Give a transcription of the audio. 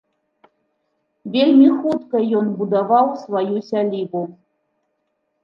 Вельмі хутка ён будаваў сваю сялібу.